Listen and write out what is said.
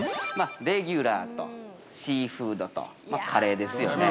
レギュラーとシーフードとまあ、カレーですよね。